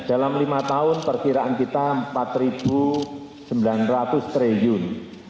dalam lima tahun perkiraan kita rp empat sembilan ratus triliun